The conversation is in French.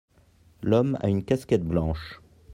l'homme a une casquette blanche.